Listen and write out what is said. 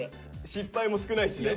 失敗も少ないしね。